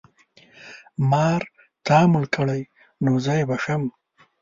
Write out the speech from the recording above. مار تا مړ کړی نو زه یې بښم.